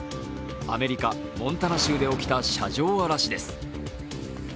アメリカ・モンタナ州で起きた車上荒らしです。